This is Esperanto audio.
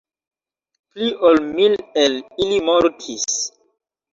Pli ol mil el ili mortis.